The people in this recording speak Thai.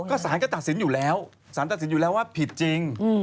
ก็สารก็ตัดสินอยู่แล้วสารตัดสินอยู่แล้วว่าผิดจริง